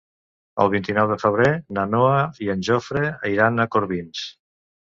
El vint-i-nou de febrer na Noa i en Jofre iran a Corbins.